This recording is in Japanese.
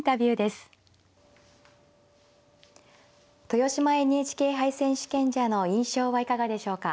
豊島ＮＨＫ杯選手権者の印象はいかがでしょうか。